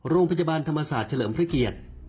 โรงพยาบาลธรรมศาสตร์เฉลิมพระเกียรติ